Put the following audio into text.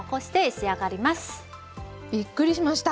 びっくりしました。